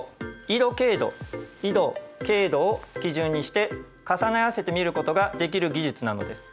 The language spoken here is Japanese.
緯度緯度経度を基準にして重ね合わせて見ることができる技術なのです。